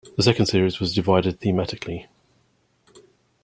The second series was divided thematically.